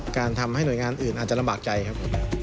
ทำให้หน่วยงานอื่นอาจจะลำบากใจครับ